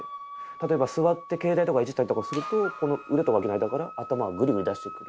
例えば座ってケータイとかいじったりとかすると腕と脇の間から頭をグリグリ出してくる。